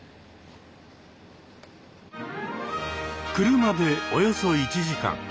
車でおよそ１時間